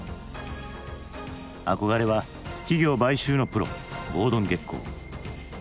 憧れは企業買収のプロゴードン・ゲッコー。